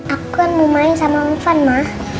aku kan mau main sama ofan ma